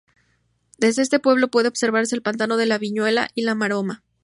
Desde este pueblo puedes observar el pantano de La Viñuela y La Maroma.